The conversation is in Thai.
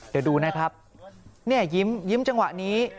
เดี๋ยวดูนะครับเนี่ยยิ้มจังหวะนี้